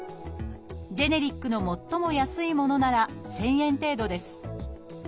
ジェネリックの最も安いものなら１，０００円程度です。